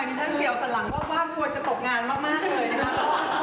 อีกหน่อยดิฉันเหลียวสันหลังว่าว่ากลัวจะตกงานมากเลยนะครับ